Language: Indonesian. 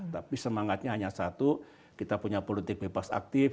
tapi semangatnya hanya satu kita punya politik bebas aktif